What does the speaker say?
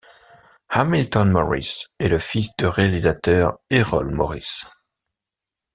Hamilton Morris est le fils du réalisateur Errol Morris.